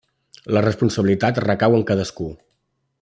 La responsabilitat recau en cadascú.